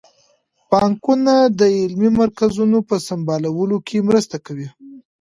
بانکونه د علمي مرکزونو په سمبالولو کې مرسته کوي.